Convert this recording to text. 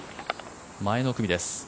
前の組です。